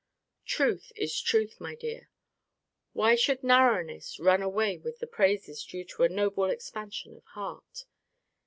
Truth is truth, my dear! Why should narrowness run away with the praises due to a noble expansion of heart?